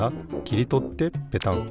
きりとってペタン。